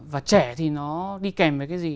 và trẻ thì nó đi kèm với cái gì